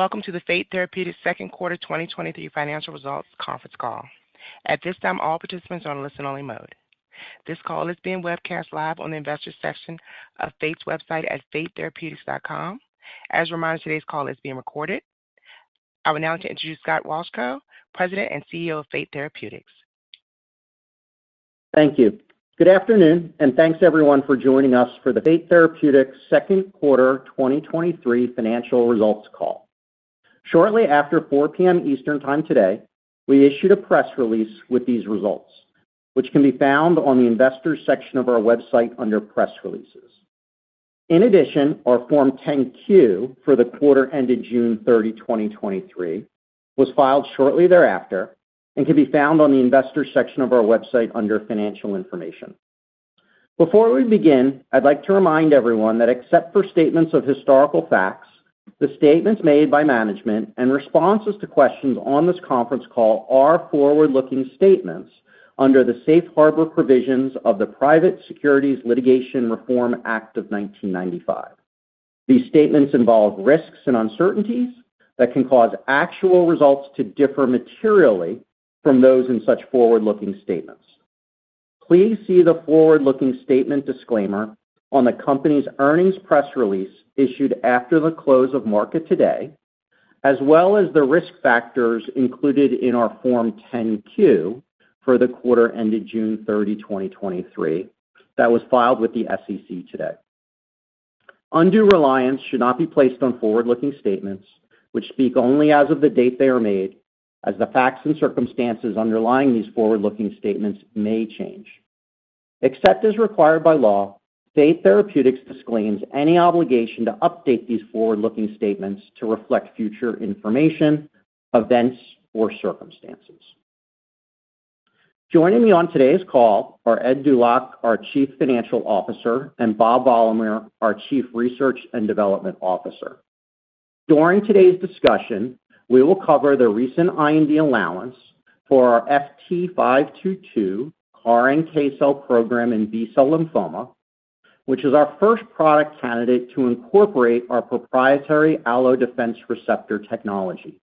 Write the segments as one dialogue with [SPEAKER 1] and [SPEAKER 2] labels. [SPEAKER 1] Welcome to the Fate Therapeutics Second Quarter 2023 Financial Results Conference Call. At this time, all participants are on listen-only mode. This call is being webcast live on the Investor section of Fate's website at fatetherapeutics.com. As a reminder, today's call is being recorded. I would now like to introduce Scott Wolchko, President and CEO of Fate Therapeutics.
[SPEAKER 2] Thank you. Good afternoon, thanks everyone for joining us for the Fate Therapeutics Second Quarter 2023 Financial Results Call. Shortly after 4:00 P.M. Eastern Time today, we issued a press release with these results, which can be found on the Investors section of our website under Press Releases. In addition, our Form 10-Q for the quarter ended June 30, 2023, was filed shortly thereafter and can be found on the Investors section of our website under Financial Information. Before we begin, I'd like to remind everyone that except for statements of historical facts, the statements made by management and responses to questions on this conference call are forward-looking statements under the safe harbor provisions of the Private Securities Litigation Reform Act of 1995. These statements involve risks and uncertainties that can cause actual results to differ materially from those in such forward-looking statements. Please see the forward-looking statement disclaimer on the company's earnings press release issued after the close of market today, as well as the risk factors included in our Form 10-Q for the quarter ended June 30, 2023, that was filed with the SEC today. Undue reliance should not be placed on forward-looking statements which speak only as of the date they are made, as the facts and circumstances underlying these forward-looking statements may change. Except as required by law, Fate Therapeutics disclaims any obligation to update these forward-looking statements to reflect future information, events, or circumstances. Joining me on today's call are Ed Dulac, our Chief Financial Officer, and Bob Valamehr, our Chief Research and Development Officer. During today's discussion, we will cover the recent IND allowance for our FT522 CAR NK cell program in B-cell lymphoma, which is our first product candidate to incorporate our proprietary Alloimmune Defense Receptor technology.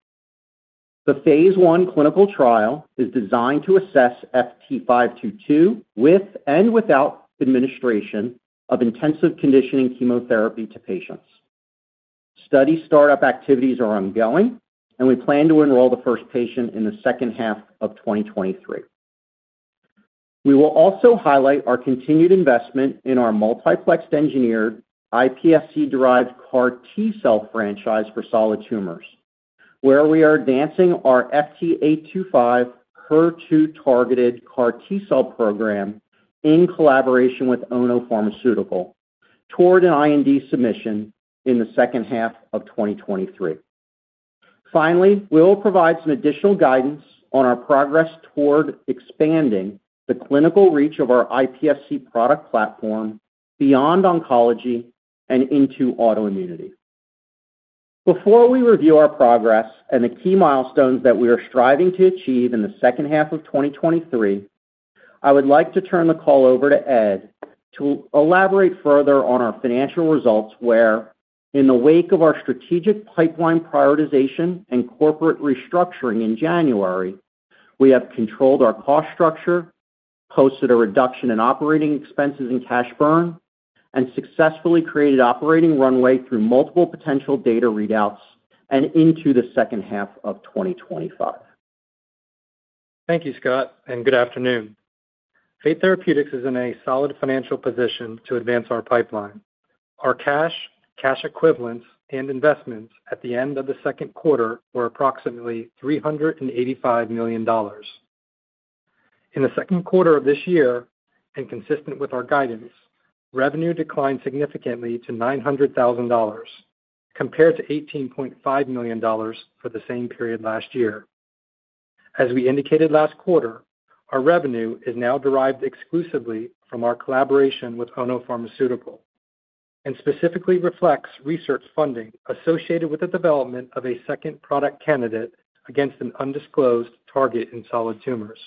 [SPEAKER 2] The Phase I clinical trial is designed to assess FT522 with and without administration of intensive conditioning chemotherapy to patients. Study startup activities are ongoing, and we plan to enroll the first patient in the second half of 2023. We will also highlight our continued investment in our multiplexed engineered iPSC-derived CAR T-cell franchise for solid tumors, where we are advancing our FT825 HER2-targeted CAR T-cell program in collaboration with Ono Pharmaceutical toward an IND submission in the second half of 2023. Finally, we will provide some additional guidance on our progress toward expanding the clinical reach of our iPSC product platform beyond oncology and into autoimmunity. Before we review our progress and the key milestones that we are striving to achieve in the second half of 2023, I would like to turn the call over to Ed to elaborate further on our financial results, where in the wake of our strategic pipeline prioritization and corporate restructuring in January, we have controlled our cost structure, posted a reduction in operating expenses and cash burn, and successfully created operating runway through multiple potential data readouts and into the second half of 2025.
[SPEAKER 3] Thank you, Scott, and good afternoon. Fate Therapeutics is in a solid financial position to advance our pipeline. Our cash, cash equivalents, and investments at the end of the second quarter were approximately $385 million. In the second quarter of this year, and consistent with our guidance, revenue declined significantly to $900,000, compared to $18.5 million for the same period last year. As we indicated last quarter, our revenue is now derived exclusively from our collaboration with Ono Pharmaceutical and specifically reflects research funding associated with the development of a second product candidate against an undisclosed target in solid tumors.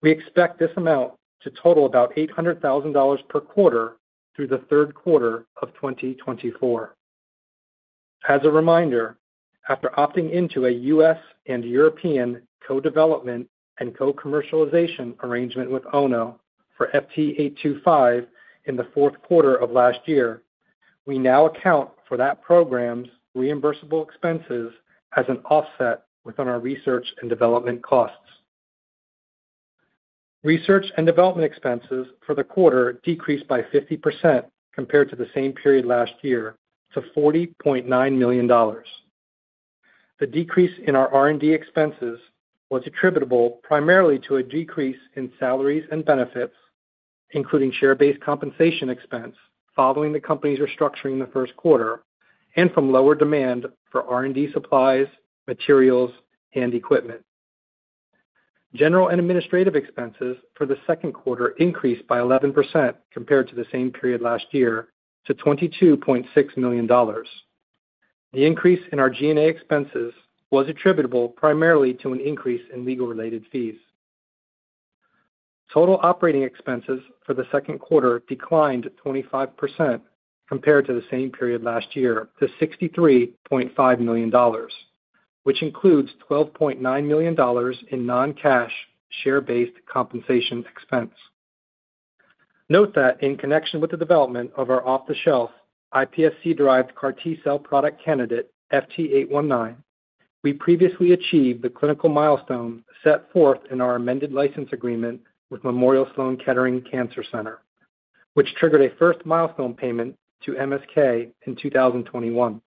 [SPEAKER 3] We expect this amount to total about $800,000 per quarter through the third quarter of 2024. As a reminder, after opting into a U.S. and European co-development and co-commercialization arrangement with Ono for FT825 in the fourth quarter of last year, we now account for that program's reimbursable expenses as an offset within our research and development costs. Research and development expenses for the quarter decreased by 50% compared to the same period last year, to $40.9 million. The decrease in our R&D expenses was attributable primarily to a decrease in salaries and benefits, including share-based compensation expense following the company's restructuring in the first quarter, and from lower demand for R&D supplies, materials, and equipment. General and administrative expenses for the second quarter increased by 11% compared to the same period last year, to $22.6 million. The increase in our G&A expenses was attributable primarily to an increase in legal-related fees. Total operating expenses for the second quarter declined 25% compared to the same period last year to $63.5 million, which includes $12.9 million in non-cash, share-based compensation expense. Note that in connection with the development of our off-the-shelf iPSC-derived CAR T-cell product candidate, FT819, we previously achieved the clinical milestone set forth in our amended license agreement with Memorial Sloan Kettering Cancer Center, which triggered a first milestone payment to MSK in 2021.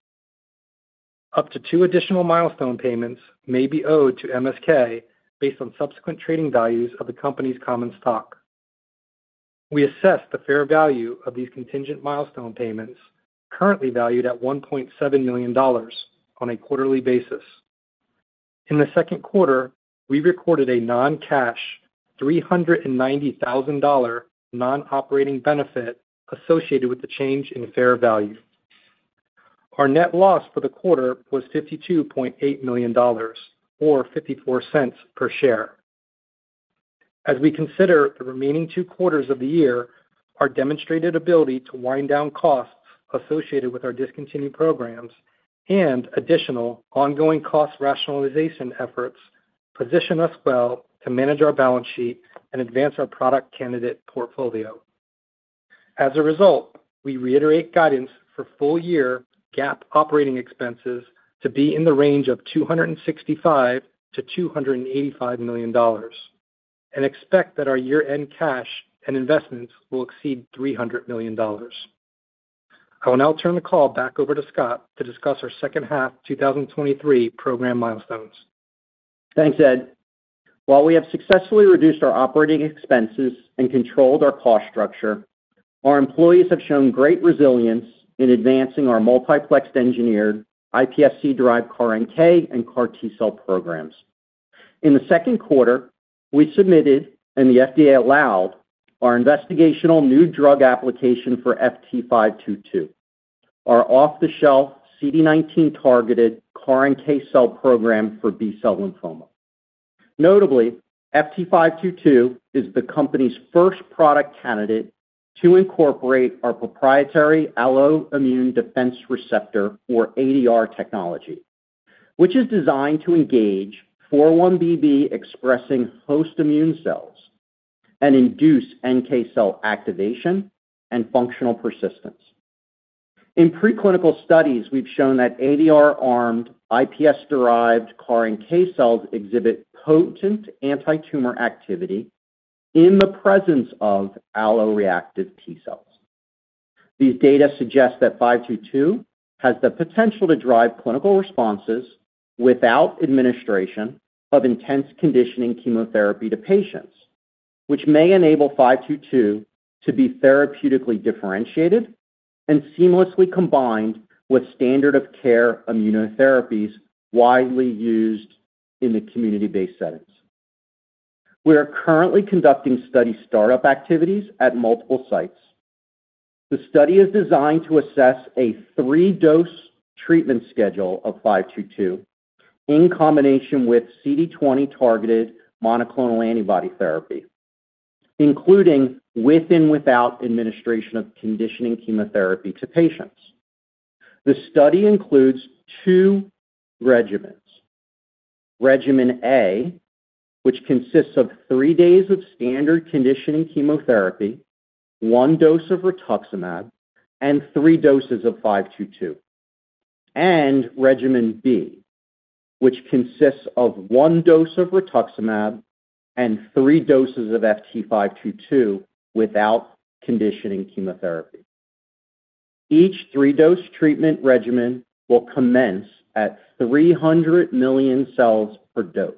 [SPEAKER 3] Up to two additional milestone payments may be owed to MSK based on subsequent trading values of the company's common stock. We assess the fair value of these contingent milestone payments, currently valued at $1.7 million, on a quarterly basis. In the second quarter, we recorded a non-cash $390,000 non-operating benefit associated with the change in fair value. Our net loss for the quarter was $52.8 million or $0.54 per share. As we consider the remaining two quarters of the year, our demonstrated ability to wind down costs associated with our discontinued programs and additional ongoing cost rationalization efforts position us well to manage our balance sheet and advance our product candidate portfolio. As a result, we reiterate guidance for full-year GAAP operating expenses to be in the range of $265 million-$285 million and expect that our year-end cash and investments will exceed $300 million. I will now turn the call back over to Scott to discuss our second half 2023 program milestones.
[SPEAKER 2] Thanks, Ed. While we have successfully reduced our operating expenses and controlled our cost structure, our employees have shown great resilience in advancing our multiplexed engineered iPSC-derived CAR NK and CAR T-cell programs. In the second quarter, we submitted, and the FDA allowed, our investigational new drug application for FT522, our off-the-shelf CD19-targeted CAR NK cell program for B-cell lymphoma. Notably, FT522 is the company's first product candidate to incorporate our proprietary Alloimmune Defense Receptor, or ADR technology, which is designed to engage 4-1BB-expressing host immune cells and induce NK cell activation and functional persistence. In preclinical studies, we've shown that ADR-armed iPSC-derived CAR NK cells exhibit potent antitumor activity in the presence of alloreactive T-cells. These data suggest that FT522 has the potential to drive clinical responses without administration of intense conditioning chemotherapy to patients, which may enable FT522 to be therapeutically differentiated and seamlessly combined with standard of care immunotherapies widely used in the community-based settings. We are currently conducting study startup activities at multiple sites. The study is designed to assess a three-dose treatment schedule of FT522 in combination with CD20-targeted monoclonal antibody therapy, including with and without administration of conditioning chemotherapy to patients. The study includes two regimens: Regimen A, which consists of three days of standard conditioning chemotherapy, one dose of rituximab, and three doses of FT522, and Regimen B, which consists of one dose of rituximab and three doses of FT522 without conditioning chemotherapy. Each three-dose treatment regimen will commence at 300 million cells per dose.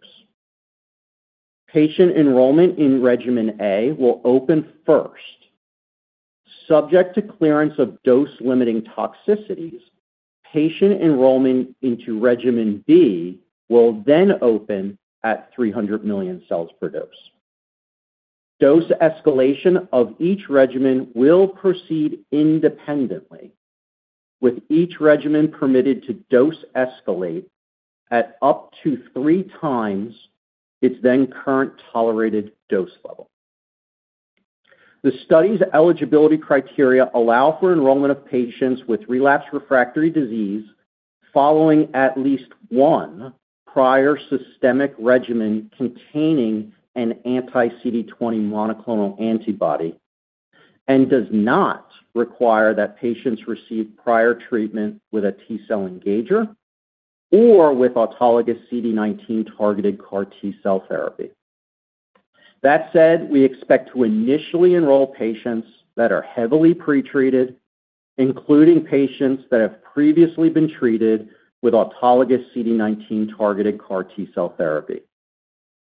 [SPEAKER 2] Patient enrollment in Regimen A will open first, subject to clearance of dose-limiting toxicities. Patient enrollment into Regimen B will then open at 300 million cells per dose. Dose escalation of each regimen will proceed independently, with each regimen permitted to dose escalate at up to 3x its then current tolerated dose level. The study's eligibility criteria allow for enrollment of patients with relapsed refractory disease following at least one prior systemic regimen containing an anti-CD20 monoclonal antibody and does not require that patients receive prior treatment with a T-cell engager or with autologous CD19-targeted CAR T-cell therapy. That said, we expect to initially enroll patients that are heavily pretreated, including patients that have previously been treated with autologous CD19-targeted CAR T-cell therapy.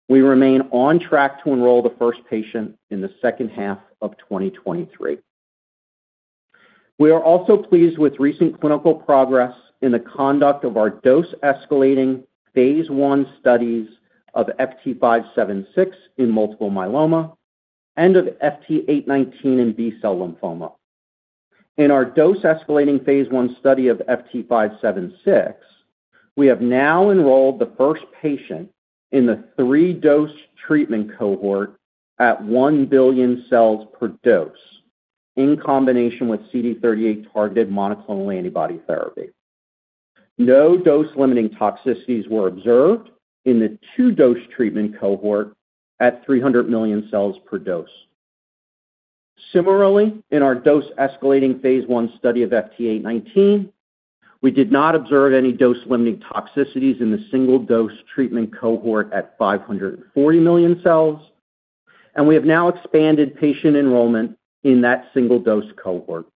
[SPEAKER 2] We remain on track to enroll the first patient in the second half of 2023. We are also pleased with recent clinical progress in the conduct of our dose-escalating Phase I studies of FT576 in multiple myeloma and of FT819 in B-cell lymphoma. In our dose-escalating Phase I study of FT576, we have now enrolled the first patient in the three-dose treatment cohort at one billion cells per dose, in combination with CD38-targeted monoclonal antibody therapy. No dose-limiting toxicities were observed in the two-dose treatment cohort at 300 million cells per dose. Similarly, in our dose-escalating Phase I study of FT819, we did not observe any dose-limiting toxicities in the single-dose treatment cohort at 540 million cells, and we have now expanded patient enrollment in that single-dose cohort.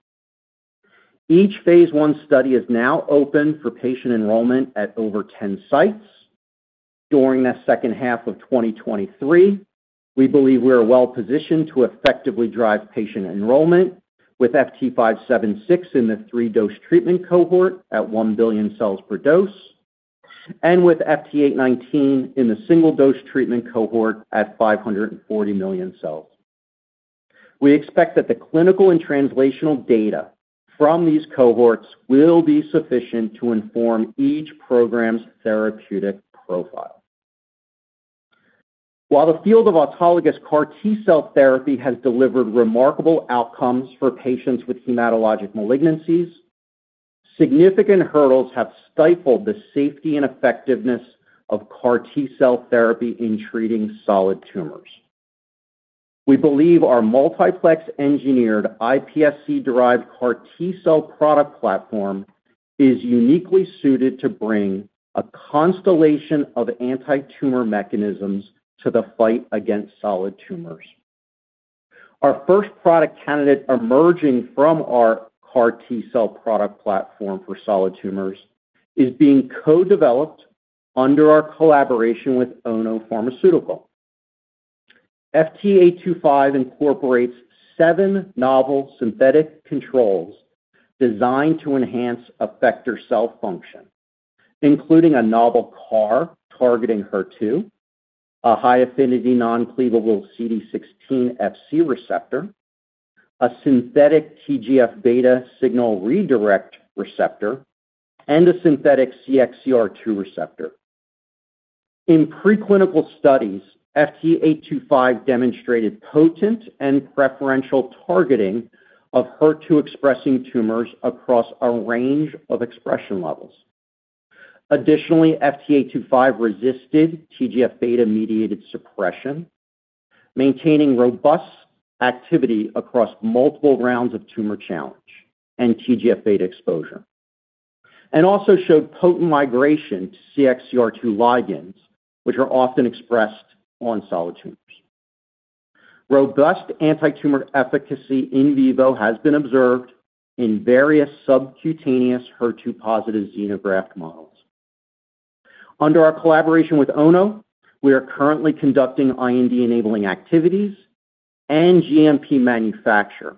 [SPEAKER 2] Each Phase I study is now open for patient enrollment at over 10 sites. During the second half of 2023, we believe we are well-positioned to effectively drive patient enrollment with FT576 in the three-dose treatment cohort at one billion cells per dose, and with FT819 in the single-dose treatment cohort at 540 million cells. We expect that the clinical and translational data from these cohorts will be sufficient to inform each program's therapeutic profile. While the field of autologous CAR T-cell therapy has delivered remarkable outcomes for patients with hematologic malignancies, significant hurdles have stifled the safety and effectiveness of CAR T-cell therapy in treating solid tumors. We believe our multiplex engineered iPSC-derived CAR T-cell product platform is uniquely suited to bring a constellation of antitumor mechanisms to the fight against solid tumors. Our first product candidate emerging from our CAR T-cell product platform for solid tumors is being co-developed under our collaboration with Ono Pharmaceutical. FT825 incorporates seven novel synthetic controls designed to enhance effector cell function, including a novel CAR targeting HER2, a high-affinity, non-cleavable CD16 Fc receptor, a synthetic TGF-beta signal redirect receptor, and a synthetic CXCR2 receptor. In preclinical studies, FT825 demonstrated potent and preferential targeting of HER2-expressing tumors across a range of expression levels. Additionally, FT825 resisted TGF-beta-mediated suppression, maintaining robust activity across multiple rounds of tumor challenge and TGF-beta exposure, and also showed potent migration to CXCR2 ligands, which are often expressed on solid tumors. Robust antitumor efficacy in vivo has been observed in various subcutaneous HER2-positive xenograft models. Under our collaboration with Ono, we are currently conducting IND-enabling activities and GMP manufacture.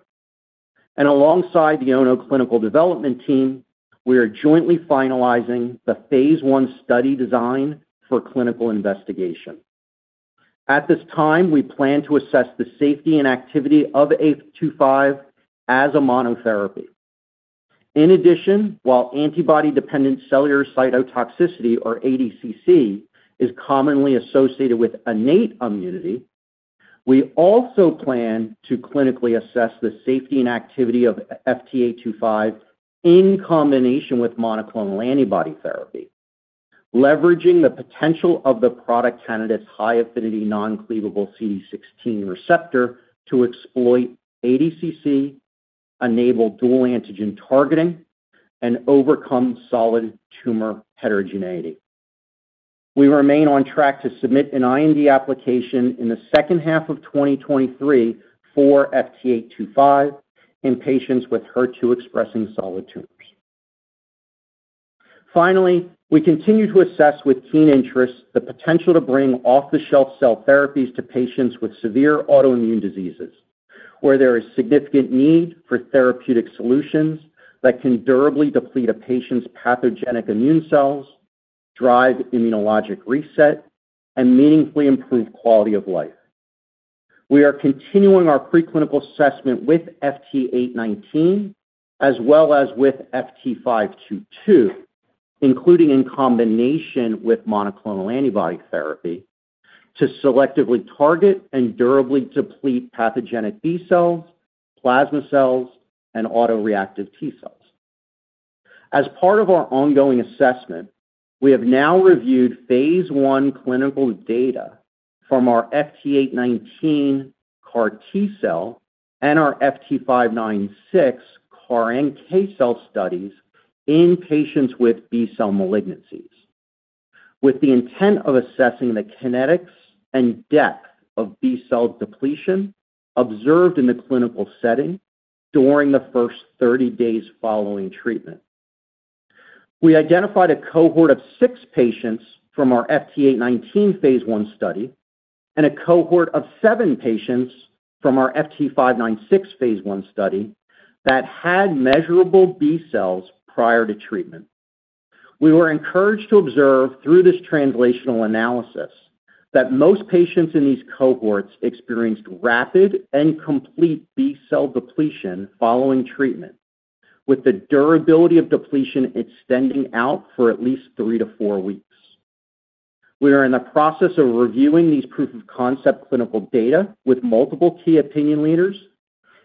[SPEAKER 2] Alongside the Ono clinical development team, we are jointly finalizing the Phase I study design for clinical investigation. At this time, we plan to assess the safety and activity of 825 as a monotherapy. In addition, while antibody-dependent cellular cytotoxicity, or ADCC, is commonly associated with innate immunity, we also plan to clinically assess the safety and activity of FT825 in combination with monoclonal antibody therapy, leveraging the potential of the product candidate's high-affinity, non-cleavable CD16 receptor to exploit ADCC, enable dual antigen targeting, and overcome solid tumor heterogeneity. We remain on track to submit an IND application in the second half of 2023 for FT825 in patients with HER2-expressing solid tumors. Finally, we continue to assess with keen interest the potential to bring off-the-shelf cell therapies to patients with severe autoimmune diseases, where there is significant need for therapeutic solutions that can durably deplete a patient's pathogenic immune cells, drive immunologic reset, and meaningfully improve quality of life. We are continuing our preclinical assessment with FT819, as well as with FT522, including in combination with monoclonal antibody therapy, to selectively target and durably deplete pathogenic B-cells, plasma cells, and autoreactive T-cells. As part of our ongoing assessment, we have now reviewed Phase I clinical data from our FT819 CAR T-cell and our FT596 CAR NK cell studies in patients with B-cell malignancies, with the intent of assessing the kinetics and depth of B-cell depletion observed in the clinical setting during the first 30 days following treatment. We identified a cohort of six patients from our FT819 Phase I study and a cohort of seven patients from our FT596 Phase I study that had measurable B-cells prior to treatment. We were encouraged to observe through this translational analysis, that most patients in these cohorts experienced rapid and complete B-cell depletion following treatment, with the durability of depletion extending out for at least 3-4 weeks. We are in the process of reviewing these proof of concept clinical data with multiple key opinion leaders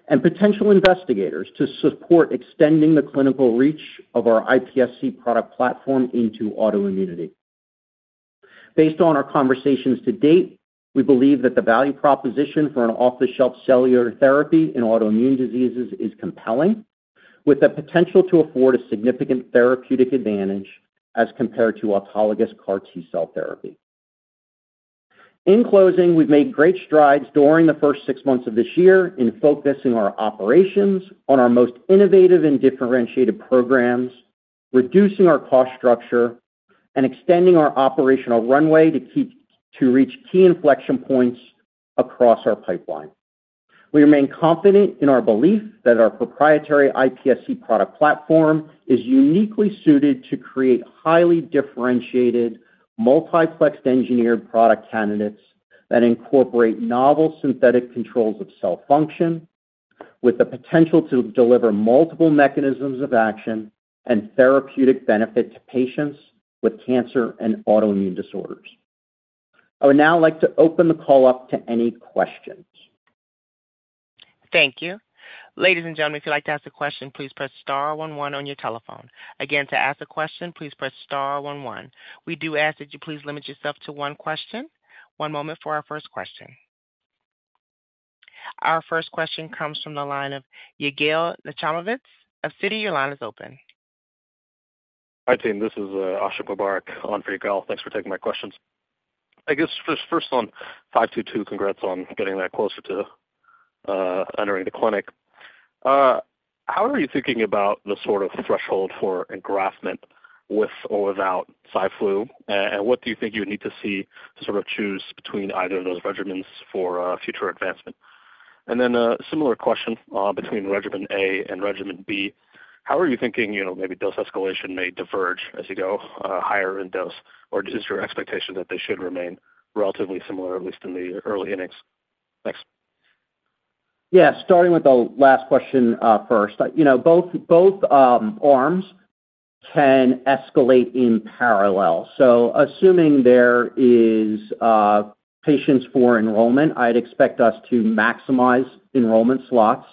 [SPEAKER 2] and potential investigators to support extending the clinical reach of our iPSC product platform into autoimmunity. Based on our conversations to date, we believe that the value proposition for an off-the-shelf cellular therapy in autoimmune diseases is compelling, with the potential to afford a significant therapeutic advantage as compared to autologous CAR T-cell therapy. In closing, we've made great strides during the first six months of this year in focusing our operations on our most innovative and differentiated programs, reducing our cost structure, and extending our operational runway to reach key inflection points across our pipeline. We remain confident in our belief that our proprietary iPSC product platform is uniquely suited to create highly differentiated, multiplexed, engineered product candidates that incorporate novel synthetic controls of cell function, with the potential to deliver multiple mechanisms of action and therapeutic benefit to patients with cancer and autoimmune disorders. I would now like to open the call up to any questions.
[SPEAKER 1] Thank you. Ladies and gentlemen, if you'd like to ask a question, please press star one one on your telephone. Again, to ask a question, please press star one one. We do ask that you please limit yourself to one question. One moment for our first question. Our first question comes from the line of Yigal Nochomovitz of Citi. Your line is open.
[SPEAKER 4] Hi, team. This is Ashiq Mubarack on for Yigal. Thanks for taking my questions. I guess just first on FT522, congrats on getting that closer to entering the clinic. How are you thinking about the sort of threshold for engraftment with or without CyFlu? And what do you think you would need to see to sort of choose between either of those regimens for future advancement? Then a similar question between Regimen A and Regimen B. How are you thinking, you know, maybe dose escalation may diverge as you go higher in dose, or is your expectation that they should remain relatively similar, at least in the early innings? Thanks.
[SPEAKER 2] Yeah, starting with the last question, first. You know, both, both arms can escalate in parallel. Assuming there is patients for enrollment, I'd expect us to maximize enrollment slots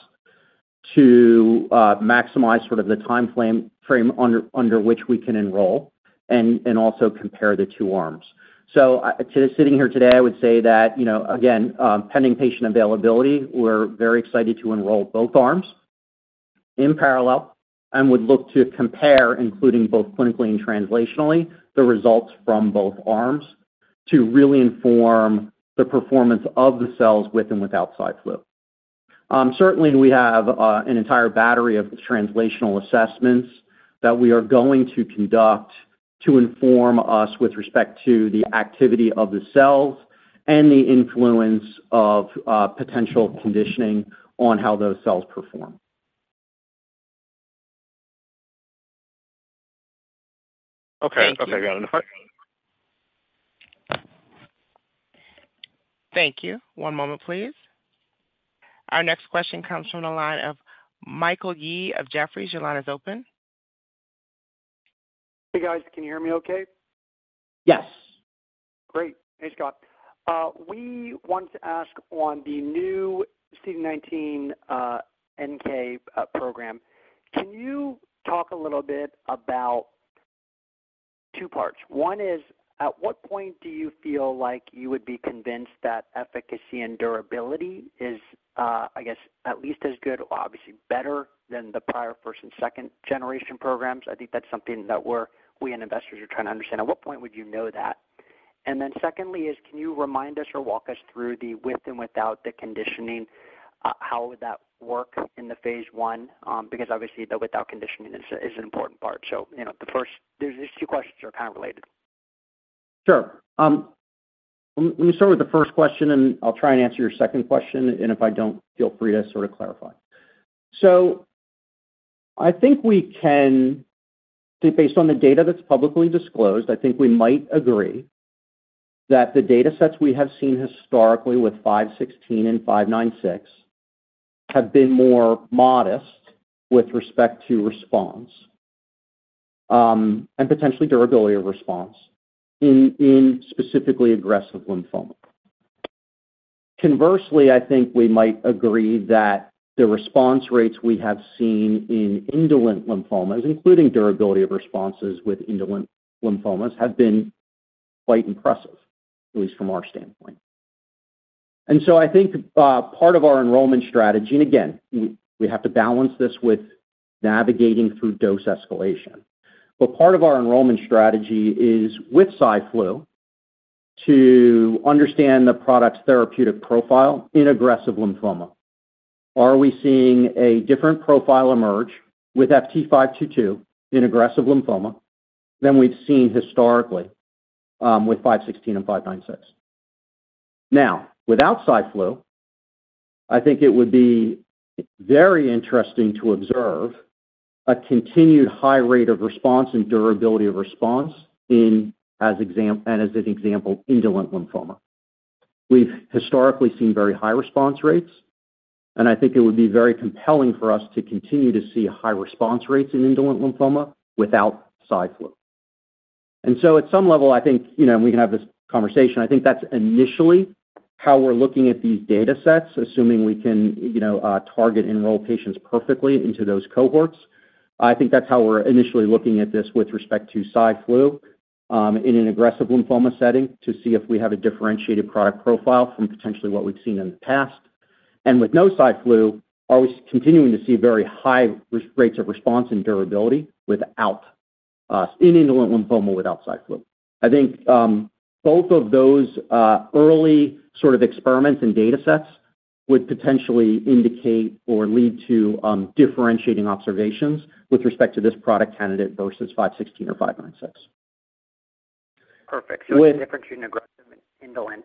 [SPEAKER 2] to maximize sort of the time frame under, under which we can enroll and, and also compare the two arms. Sitting here today, I would say that, you know, again, pending patient availability, we're very excited to enroll both arms in parallel and would look to compare, including both clinically and translationally, the results from both arms to really inform the performance of the cells with and without CyFlu. Certainly we have an entire battery of translational assessments that we are going to conduct to inform us with respect to the activity of the cells and the influence of potential conditioning on how those cells perform.
[SPEAKER 4] Okay. Okay, got it.
[SPEAKER 1] Thank you. One moment, please. Our next question comes from the line of Michael Yee of Jefferies. Your line is open.
[SPEAKER 5] Hey, guys, can you hear me okay?
[SPEAKER 2] Yes.
[SPEAKER 5] Great. Hey, Scott. We want to ask on the new CD19 NK program, can you talk a little bit about two parts? One is, at what point do you feel like you would be convinced that efficacy and durability is, I guess at least as good, obviously better than the prior 1st and 2nd generation programs? I think that's something that we're, we and investors are trying to understand. At what point would you know that? Secondly is, can you remind us or walk us through the with and without the conditioning, how would that work in the Phase I? Because obviously the without conditioning is, is an important part. You know, these, these two questions are kind of related.
[SPEAKER 2] Sure. Let me start with the first question, and I'll try and answer your second question, and if I don't, feel free to sort of clarify. I think we can, based on the data that's publicly disclosed, I think we might agree that the datasets we have seen historically with FT516 and FT596 have been more modest with respect to response, and potentially durability of response in specifically aggressive lymphoma. Conversely, I think we might agree that the response rates we have seen in indolent lymphomas, including durability of responses with indolent lymphomas, have been quite impressive, at least from our standpoint. I think, part of our enrollment strategy, and again, we have to balance this with navigating through dose escalation, but part of our enrollment strategy is with CyFlu, to understand the product's therapeutic profile in aggressive lymphoma. Are we seeing a different profile emerge with FT522 in aggressive lymphoma than we've seen historically, with FT516 and FT596? Now, without CyFlu, I think it would be very interesting to observe a continued high rate of response and durability of response in, as an example, indolent lymphoma. We've historically seen very high response rates, and I think it would be very compelling for us to continue to see high response rates in indolent lymphoma without CyFlu. So at some level, I think, you know, and we can have this conversation, I think that's initially how we're looking at these data sets, assuming we can, you know, target enroll patients perfectly into those cohorts. I think that's how we're initially looking at this with respect to Cyflu, in an aggressive lymphoma setting, to see if we have a differentiated product profile from potentially what we've seen in the past. With no Cyflu, are we continuing to see very high rates of response and durability without in indolent lymphoma without Cyflu? I think both of those early sort of experiments and data sets would potentially indicate or lead to differentiating observations with respect to this product candidate versus 516 or 596.
[SPEAKER 5] Perfect.
[SPEAKER 2] With.
[SPEAKER 5] It's different between aggressive and indolent,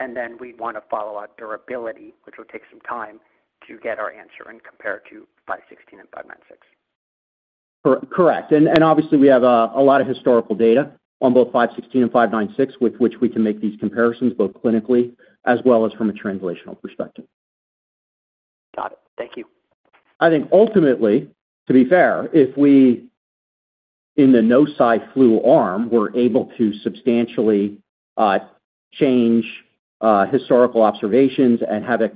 [SPEAKER 5] and then we'd want to follow up durability, which will take some time to get our answer and compare it to FT516 and FT596.
[SPEAKER 2] Correct. Obviously we have a lot of historical data on both FT516 and FT596, with which we can make these comparisons, both clinically as well as from a translational perspective.
[SPEAKER 5] Got it. Thank you.
[SPEAKER 2] I think ultimately, to be fair, if we, in the no CyFlu arm, were able to substantially change historical observations and have a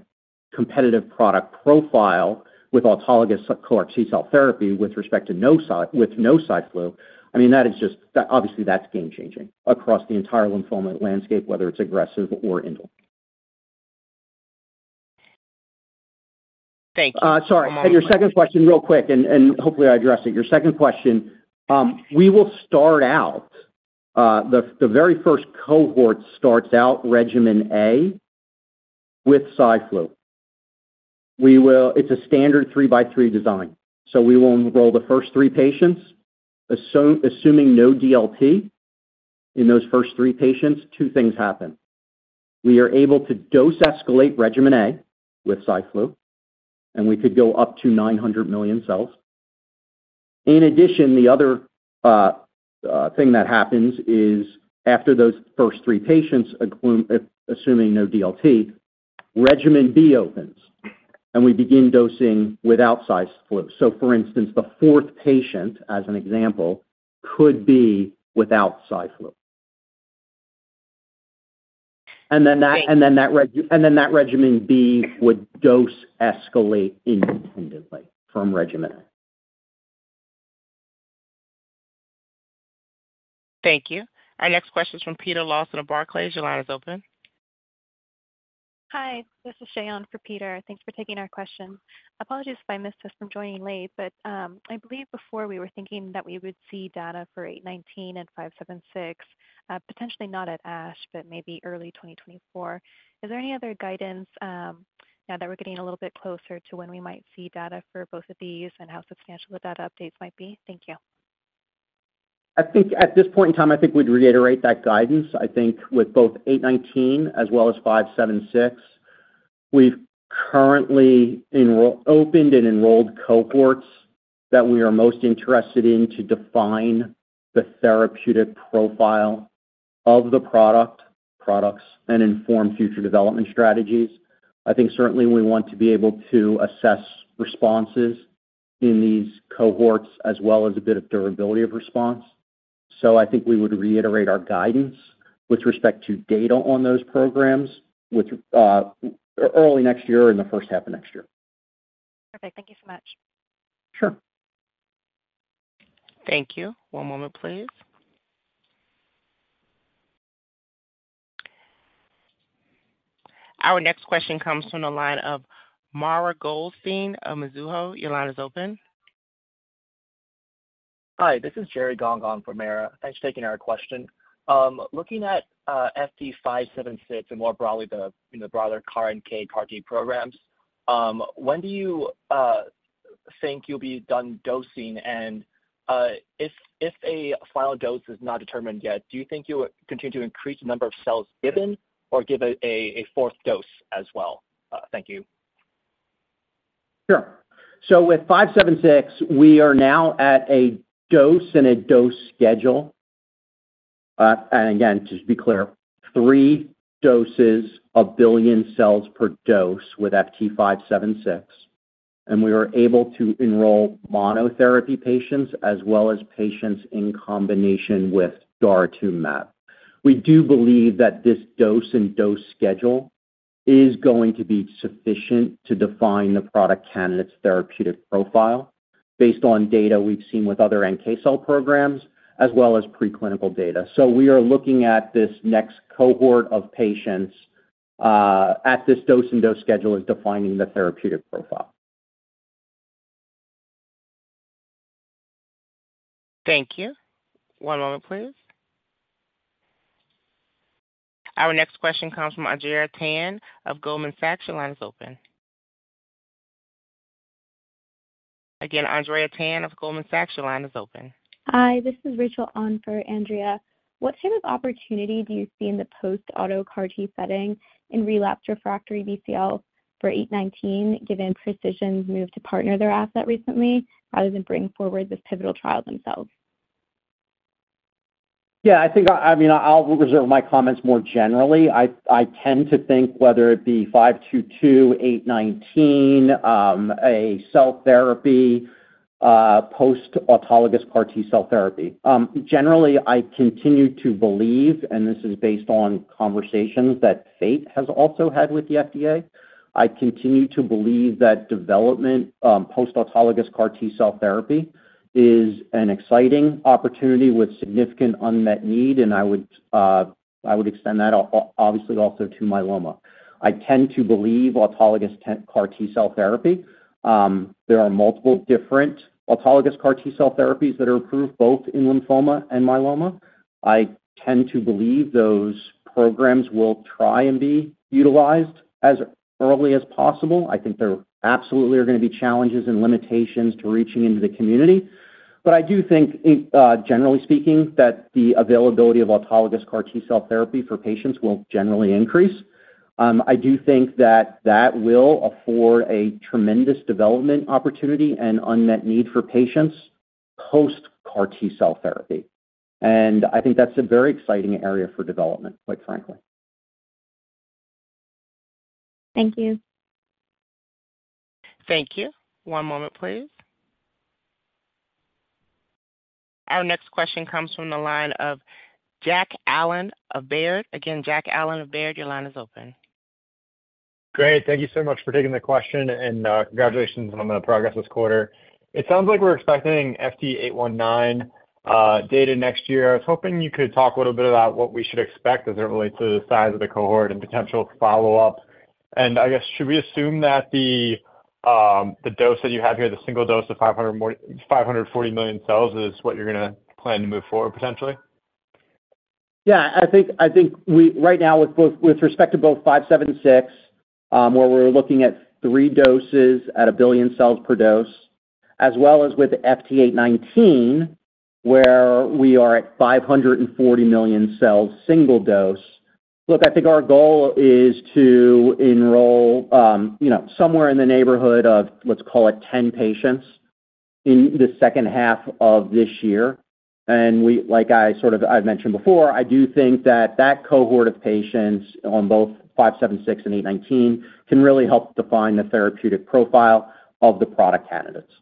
[SPEAKER 2] competitive product profile with autologous CAR T-cell therapy with respect to no with no CyFlu, I mean, that is just, obviously, that's game-changing across the entire lymphoma landscape, whether it's aggressive or indolent.
[SPEAKER 5] Thank you.
[SPEAKER 2] Sorry, and your second question real quick, and, and hopefully I addressed it. Your second question, we will start out the very first cohort starts out Regimen A with CyFlu. We will. It's a standard three-by-three design, so we will enroll the first three patients, assuming no DLT. In those first three patients, two things happen: We are able to dose escalate Regimen A with CyFlu, and we could go up to 900 million cells. In addition, the other thing that happens is after those first three patients, assuming no DLT, Regimen B opens, and we begin dosing without CyFlu. For instance, the fourth patient, as an example, could be without CyFlu.
[SPEAKER 5] Great.
[SPEAKER 2] Then that, and then that Regimen B would dose escalate independently from Regimen A.
[SPEAKER 1] Thank you. Our next question is from Peter Lawson of Barclays. Your line is open.
[SPEAKER 6] Hi, this is Shayan for Peter. Thanks for taking our question. Apologies if I missed this from joining late, but I believe before we were thinking that we would see data for FT819 and FT576 potentially not at ASH, but maybe early 2024. Is there any other guidance now that we're getting a little bit closer to when we might see data for both of these and how substantial the data updates might be? Thank you.
[SPEAKER 2] I think at this point in time, I think we'd reiterate that guidance. I think with both FT819 as well as FT576, we've currently opened and enrolled cohorts that we are most interested in to define the therapeutic profile of the product, products, and inform future development strategies. I think certainly we want to be able to assess responses in these cohorts as well as a bit of durability of response. I think we would reiterate our guidance with respect to data on those programs, with early next year or in the first half of next year.
[SPEAKER 6] Perfect. Thank you so much.
[SPEAKER 2] Sure.
[SPEAKER 1] Thank you. One moment, please. Our next question comes from the line of Mara Goldstein of Mizuho. Your line is open.
[SPEAKER 7] Hi, this is Jerry Gong from Mara. Thanks for taking our question. Looking at FT576, and more broadly, the, you know, broader CAR NK CAR T programs, when do you think you'll be done dosing? If, if a final dose is not determined yet, do you think you will continue to increase the number of cells given or give a, a fourth dose as well? Thank you.
[SPEAKER 2] Sure. With FT576, we are now at a dose and a dose schedule. Again, just to be clear, three doses, one billion cells per dose with FT576. We are able to enroll monotherapy patients as well as patients in combination with daratumumab. We do believe that this dose and dose schedule is going to be sufficient to define the product candidate's therapeutic profile based on data we've seen with other NK cell programs as well as preclinical data. We are looking at this next cohort of patients at this dose and dose schedule as defining the therapeutic profile.
[SPEAKER 1] Thank you. One moment, please. Our next question comes from Andrea Tan of Goldman Sachs. Your line is open. Again, Andrea Tan of Goldman Sachs, your line is open.
[SPEAKER 8] Hi, this is Rachel on for Andrea. What kind of opportunity do you see in the post auto CAR T setting in relapsed refractory BCL for FT819, given Precision's move to partner their asset recently, rather than bring forward this pivotal trial themselves?
[SPEAKER 2] Yeah, I think, I, I mean, I'll reserve my comments more generally. I, I tend to think whether it be FT522, FT819, a cell therapy, post autologous CAR T-cell therapy. Generally, I continue to believe, and this is based on conversations that Fate has also had with the FDA, I continue to believe that development, post autologous CAR T-cell therapy is an exciting opportunity with significant unmet need, and I would, I would extend that obviously also to myeloma. I tend to believe autologous CAR T-cell therapy, there are multiple different autologous CAR T-cell therapies that are approved both in lymphoma and myeloma. I tend to believe those programs will try and be utilized as early as possible. I think there absolutely are going to be challenges and limitations to reaching into the community. I do think, generally speaking, that the availability of autologous CAR T-cell therapy for patients will generally increase. I do think that that will afford a tremendous development opportunity and unmet need for patients post-CAR T-cell therapy. I think that's a very exciting area for development, quite frankly.
[SPEAKER 8] Thank you.
[SPEAKER 1] Thank you. One moment, please. Our next question comes from the line of Jack Allen of Baird. Jack Allen of Baird, your line is open.
[SPEAKER 9] Great. Thank you so much for taking the question, and congratulations on the progress this quarter. It sounds like we're expecting FT819 data next year. I was hoping you could talk a little bit about what we should expect as it relates to the size of the cohort and potential follow-up. I guess, should we assume that the dose that you have here, the single dose of 540 million cells, is what you're gonna plan to move forward potentially?
[SPEAKER 2] Yeah, I think, I think we - right now, with both, with respect to both FT576, where we're looking at three doses at one billion cells per dose, as well as with FT819, where we are at 540 million cells, single dose. Look, I think our goal is to enroll, you know, somewhere in the neighborhood of, let's call it 10 patients, in the second half of this year. We like I sort of... I've mentioned before, I do think that that cohort of patients on both FT576 and FT819 can really help define the therapeutic profile of the product candidates.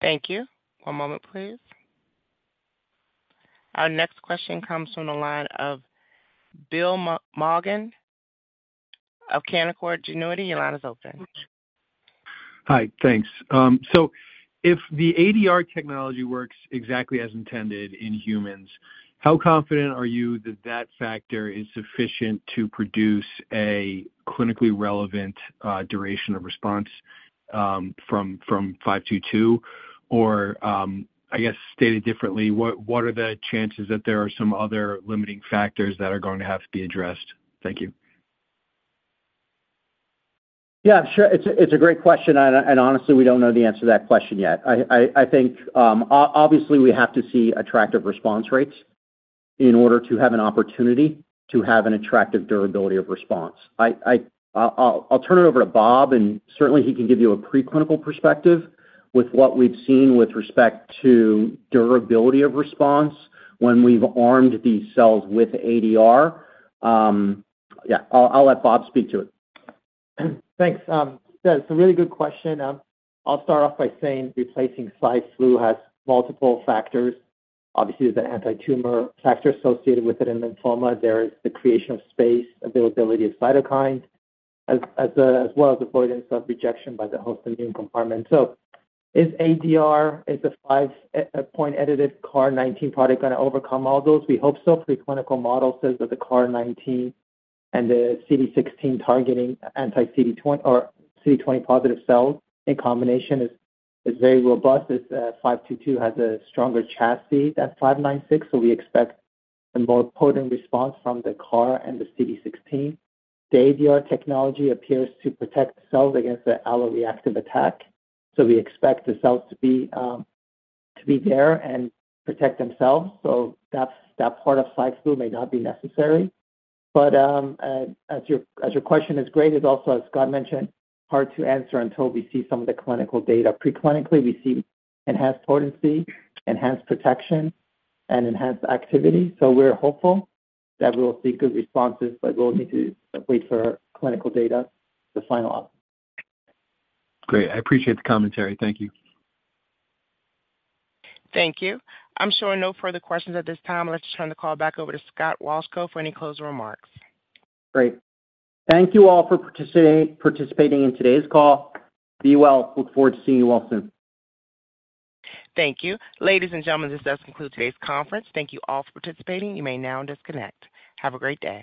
[SPEAKER 1] Thank you. One moment, please. Our next question comes from the line of Bill Maughan of Canaccord Genuity. Your line is open.
[SPEAKER 10] Hi, thanks. If the ADR technology works exactly as intended in humans, how confident are you that that factor is sufficient to produce a clinically relevant, duration of response, from, from FT522, or, I guess, stated differently, what, what are the chances that there are some other limiting factors that are going to have to be addressed? Thank you.
[SPEAKER 2] Yeah, sure. It's a great question. Honestly, we don't know the answer to that question yet. I think, obviously, we have to see attractive response rates in order to have an opportunity to have an attractive durability of response. I'll turn it over to Bob. Certainly, he can give you a preclinical perspective with what we've seen with respect to durability of response when we've armed these cells with ADR. Yeah, I'll let Bob speak to it.
[SPEAKER 11] Thanks. That's a really good question. I'll start off by saying replacing CyFlu has multiple factors. Obviously, the antitumor factor associated with it in lymphoma, there is the creation of space, availability of cytokines, as, as well as avoidance of rejection by the host immune compartment. Is ADR, is the five-point edited CAR19 product going to overcome all those? We hope so. Preclinical model says that the CAR19 and the CD16 targeting anti-CD20 or CD20 positive cells in combination is very robust, as FT522 has a stronger chassis than FT596, so we expect a more potent response from the CAR and the CD16. The ADR technology appears to protect the cells against the alloreactive attack, so we expect the cells to be there and protect themselves. That's, that part of CyFlu may not be necessary. As your question is great, it's also, as Scott mentioned, hard to answer until we see some of the clinical data. Preclinically, we see enhanced potency, enhanced protection, and enhanced activity, so we're hopeful that we will see good responses, but we'll need to wait for clinical data to final up.
[SPEAKER 2] Great. I appreciate the commentary. Thank you.
[SPEAKER 1] Thank you. I'm showing no further questions at this time. Let's turn the call back over to Scott Wolchko for any closing remarks.
[SPEAKER 2] Great. Thank you all for participating, participating in today's call. Be well. Look forward to seeing you all soon.
[SPEAKER 1] Thank you. Ladies and gentlemen, this does conclude today's conference. Thank you all for participating. You may now disconnect. Have a great day.